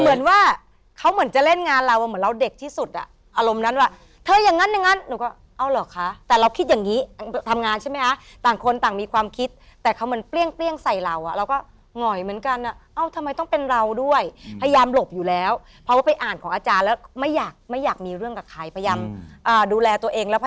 เหมือนว่าเขาเหมือนจะเล่นงานเราเหมือนเราเด็กที่สุดอ่ะอารมณ์นั้นว่าเธออย่างนั้นอย่างนั้นหนูก็เอาเหรอคะแต่เราคิดอย่างนี้ทำงานใช่ไหมคะต่างคนต่างมีความคิดแต่เขาเหมือนเปรี้ยงใส่เราอ่ะเราก็หง่อยเหมือนกันอ่ะเอ้าทำไมต้องเป็นเราด้วยพยายามหลบอยู่แล้วเพราะว่าไปอ่านของอาจารย์แล้วไม่อยากไม่อยากมีเรื่องกับใครพยายามดูแลตัวเองแล้วพ